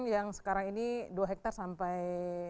yang sekarang ini dua hektare sampai